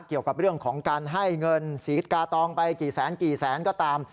เกี่ยวกับเรื่องของการให้เงินศรีกาตองไปกี่แสนกี่แสนก็ตาม